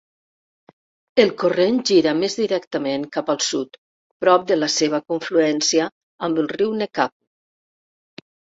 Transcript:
El corrent gira més directament cap al sud, prop de la seva confluència amb ell riu Nechako.